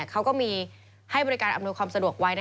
เขาก็มีให้บริการอำนวยความสะดวกไว้